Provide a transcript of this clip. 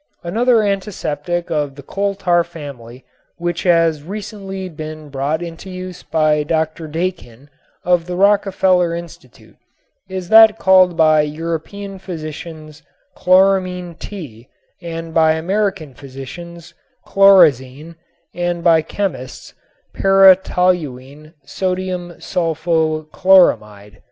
Another antiseptic of the coal tar family which has recently been brought into use by Dr. Dakin of the Rockefeller Institute is that called by European physicians chloramine T and by American physicians chlorazene and by chemists para toluene sodium sulfo chloramide.